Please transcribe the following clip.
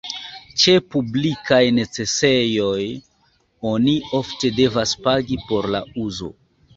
Ĉe publikaj necesejoj oni ofte devas pagi por la uzo.